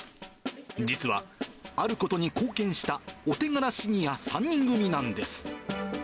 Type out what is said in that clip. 実は、あることに貢献したお手柄シニア３人組なんです。